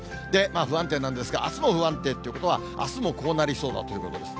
不安定なんですが、あすも不安定っていうことは、あすもこうなりそうだということです。